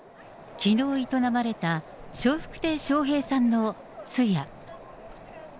きのう営まれた笑福亭笑瓶さんの通夜。